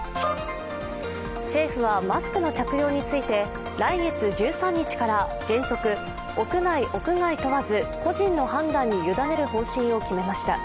政府はマスクの着用について来月１３日から原則屋内・屋外問わず個人の判断に委ねる方針を決めました。